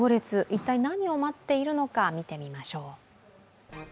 一体、何を待っているのか見てみましょう。